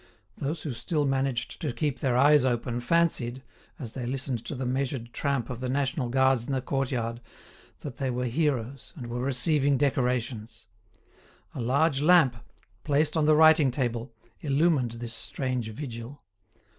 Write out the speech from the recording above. Those who still managed to keep their eyes open fancied, as they listened to the measured tramp of the national guards in the courtyard, that they were heroes and were receiving decorations. A large lamp, placed on the writing table, illumined this strange vigil.